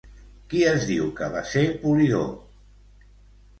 Qui es diu que va ser Polidor?